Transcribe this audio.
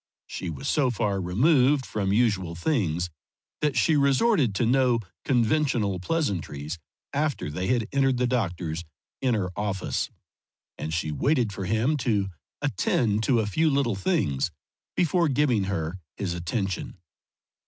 She was so far removed from usual things that she resorted to no conventional pleasantries after they had entered the doctor's inner office, and she waited for him to attend to a few little things before giving her his attention.